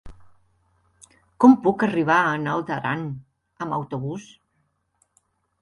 Com puc arribar a Naut Aran amb autobús?